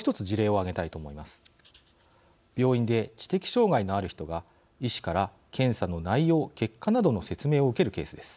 病院で知的障害のある人が医師から検査の内容・結果などの説明を受けるケースです。